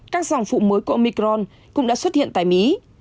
các sòng phụ mới của omicron cũng đã xuất hiện tại mỹ